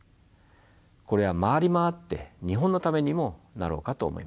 これは回り回って日本のためにもなろうかと思います。